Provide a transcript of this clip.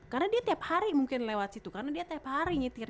karena dia tiap hari mungkin lewat situ karena dia tiap hari nyetir